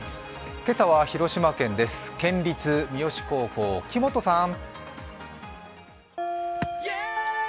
今朝は広島県です県立三次高校、木本さん。